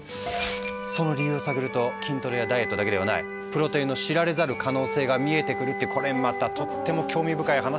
その理由を探ると筋トレやダイエットだけではないプロテインの知られざる可能性が見えてくるってこれまたとっても興味深い話なんですよ。